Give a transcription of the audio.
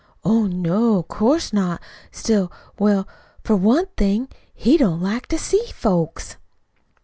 "Oh, no, 'course not. Still, well, for one thing, he don't like to see folks."